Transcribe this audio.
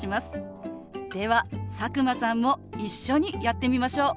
では佐久間さんも一緒にやってみましょう。